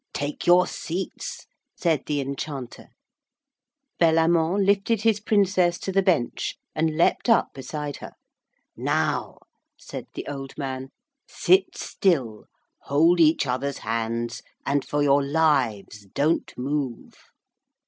'Take your seats,' said the Enchanter. Bellamant lifted his Princess to the bench and leaped up beside her. 'Now,' said the old man, 'sit still, hold each other's hands, and for your lives don't move.'